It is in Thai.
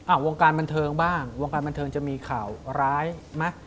วงการบันเทิงบ้างวงการบันเทิงจะมีข่าวร้ายไหม